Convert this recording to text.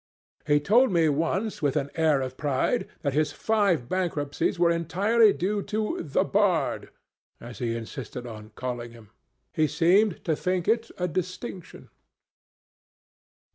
He told me once, with an air of pride, that his five bankruptcies were entirely due to 'The Bard,' as he insisted on calling him. He seemed to think it a distinction."